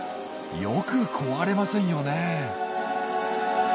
よく壊れませんよねえ。